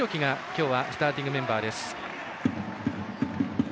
今日はスターティングメンバーです。